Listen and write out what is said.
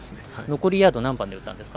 残り何番で打ったんですか。